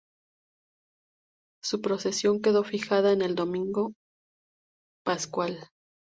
Su procesión quedó fijada el domingo pascual.